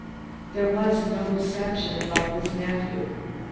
There was no deception about this nephew.